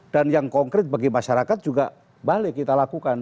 dan yang konkret bagi masyarakat juga balik kita lakukan